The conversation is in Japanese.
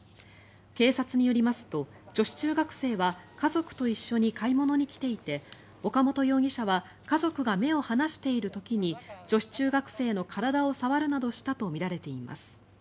警察によりますと女子中学生は家族と一緒に買い物に来ていて岡本容疑者は家族が目を離しているときに女子中学生の体を触るなどしたとみられています。